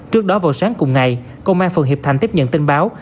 trước đó vào sáng cùng ngày công an phường hiệp thành tiếp nhận tin báo